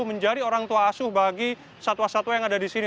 menjadi orang tua asuh bagi satwa satwa yang ada di sini